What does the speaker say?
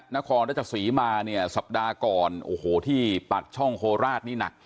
นครราชสีมาเนี่ยสัปดาห์ก่อนโอ้โหที่ปากช่องโคราชนี่หนัก